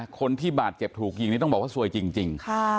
คนที่บาดเจ็บถูกยิงนี่ต้องบอกว่าซวยจริง